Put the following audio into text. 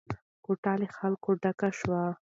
کوټه له خلکو ډکه شوه.